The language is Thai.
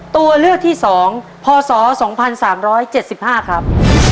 ตัวเลือกที่สองพอสอสองพันสามร้อยเจ็ดสิบห้าครับ